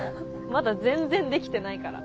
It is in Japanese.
まだ全然できてないから。